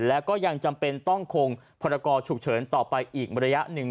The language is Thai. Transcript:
และก็ยังจำเป็นต้องคงพรกรฉุกเฉินต่อไปอีกระยะหนึ่ง